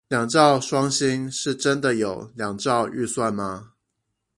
兩兆雙星是真的有兩兆預算嗎